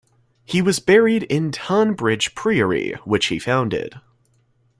He was buried in Tonbridge Priory, which he founded.